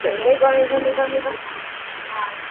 იგი გადაასვენეს და დაკრძალეს კრაკოვში, პოლონეთში.